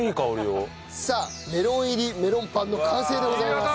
さあメロン入りメロンパンの完成でございます。